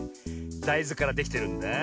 だいずからできてるんだあ。